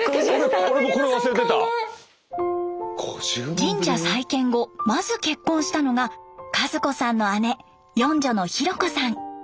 神社再建後まず結婚したのが和子さんの姉四女のひろ子さん。